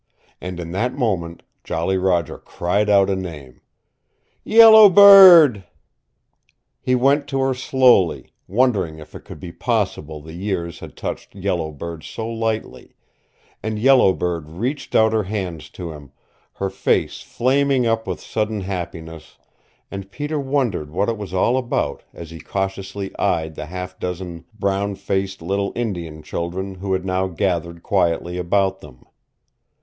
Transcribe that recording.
And in that moment Jolly Roger cried out a name. "Yellow Bird!" He went to her slowly, wondering if it could be possible the years had touched Yellow Bird so lightly; and Yellow Bird reached out her hands to him, her face flaming up with sudden happiness, and Peter wondered what it was all about as he cautiously eyed the half dozen brown faced little Indian children who had now gathered quietly about them.